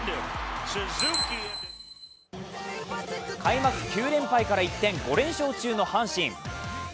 開幕９連敗から一転５連勝中の阪神。